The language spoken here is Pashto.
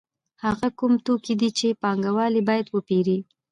هغه کوم توکي دي چې پانګوال یې باید وپېري